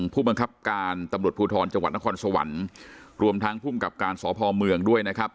ผู้บังคับการตำรวจภูทรจังหวัดนครสวรรค์รวมทั้งภูมิกับการสพเมืองด้วยนะครับ